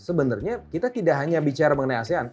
sebenarnya kita tidak hanya bicara mengenai asean